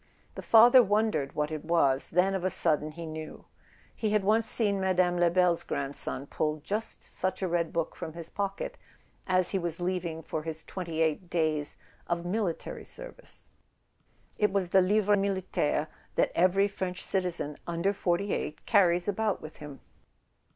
The father wondered what it was; then of a sudden he knew. He had once seen Mme. Lebel's grandson pull just such a red book from his pocket as he was leaving for his "twenty eight days" of military service; it was the livret militaire that every French citizen under forty eight carries about with him.